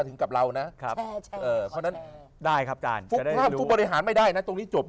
เพราะผมรู้คนที่อยู่คนเดียวต่อสู้